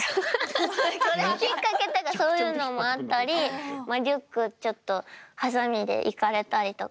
それきっかけというかそういうのもあったりリュックちょっとハサミでいかれたりとか。